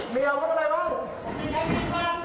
เมียวว่าอะไรฟัง